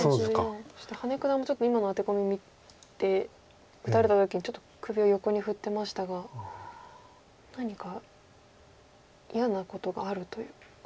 そして羽根九段もちょっと今のアテコミ見て打たれた時にちょっと首を横に振ってましたが何か嫌なことがあるということなんですか。